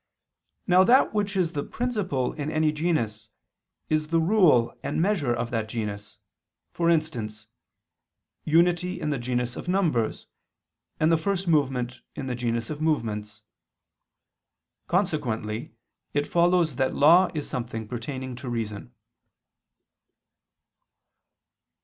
Now that which is the principle in any genus, is the rule and measure of that genus: for instance, unity in the genus of numbers, and the first movement in the genus of movements. Consequently it follows that law is something pertaining to reason.